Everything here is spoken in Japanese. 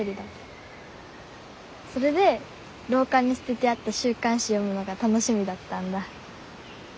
それで廊下に捨ててあった週刊誌読むのが楽しみだったんだ。